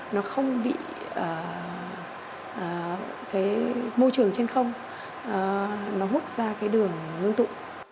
nó không bị môi trường trên không nó hút ra đường ngương tụ